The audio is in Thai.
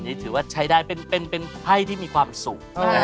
นี่ถือว่าใช้ได้เป็นไพ่ที่มีความสุข